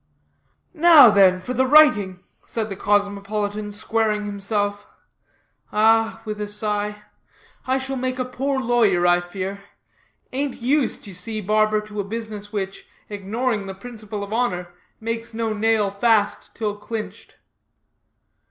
"Now, then, for the writing," said the cosmopolitan, squaring himself. "Ah," with a sigh, "I shall make a poor lawyer, I fear. Ain't used, you see, barber, to a business which, ignoring the principle of honor, holds no nail fast till clinched.